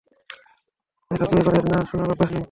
রাজিয়াবাইয়ের না শোনার অভ্যাস নেই।